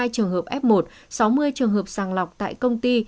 hai trăm một mươi hai trường hợp f một sáu mươi trường hợp sàng lọc tại công ty